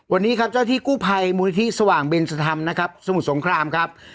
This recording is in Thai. วันนี้ครับเจ้าที่กู้ภัยมูลนิธิสว่างเบนสธรรมนะครับสมุทรสงครามครับ